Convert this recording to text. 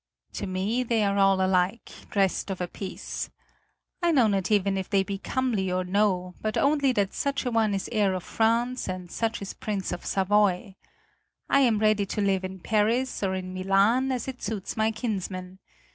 To me they are all alike, dressed of a piece. I know not even if they be comely or no, but only that such a one is Heir of France and such is Prince of Savoy. I am ready to live in Paris or in Milan as it suits my kinsmen.